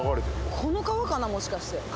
この川かな、もしかして。